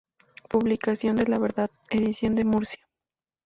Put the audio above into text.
Publicación de La Verdad, edición de Murcia